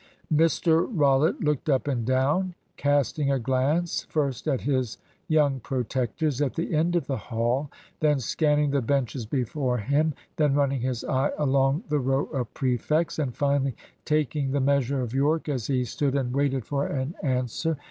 Mr Rollitt looked up and down, casting a glance first at his young protectors at the end of the Hall, then scanning the benches before him, then running his eye along the row of prefects, and finally taking the measure of Yorke as he stood and waited for an answer.